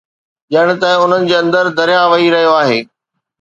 ڄڻ ته انهن جي اندر درياهه وهي رهيو آهي